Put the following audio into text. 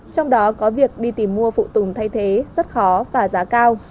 trong đó có việc đi tìm mua phụ tùng thay thế rất khó và giá cao